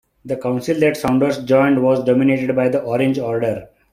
The council that Saunders joined was dominated by the Orange Order.